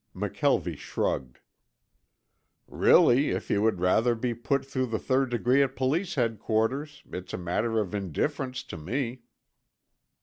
McKelvie shrugged. "Really if you would rather be put through the third degree at Police Headquarters it's a matter of indifference to me."